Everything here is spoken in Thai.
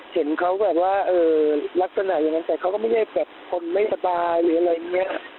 เห็นเขาแบบว่าลักษณะอย่างนั้นแต่เขาก็ไม่ได้แบบคนไม่สบายหรืออะไรอย่างนี้